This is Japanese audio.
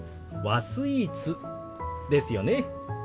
和スイーツですよね。